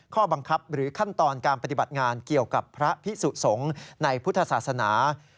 ข้อบังคับหรือขั้นตอนการปฏิบัติงานเกี่ยวกับพระพิสุสงฆ์ในพุทธศาสนา